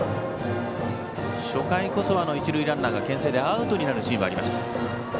初回こそは一塁ランナーがけん制でアウトになるシーンはありました。